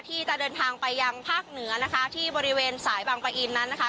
ที่จะเดินทางไปยังภาคเหนือนะคะที่บริเวณสายบางปะอินนั้นนะคะ